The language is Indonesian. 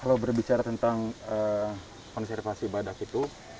kalau berbicara tentang konservasi badak itu